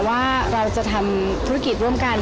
ว่าเราจะทำธุรกิจร่วมกัน